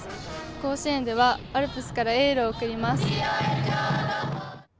甲子園では、アルプスからエールを送ります。